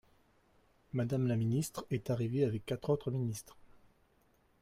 Madame la ministre est arrivée avec quatre autres ministres.